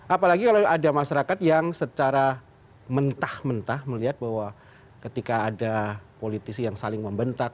apalagi kalau ada masyarakat yang secara mentah mentah melihat bahwa ketika ada politisi yang saling membentak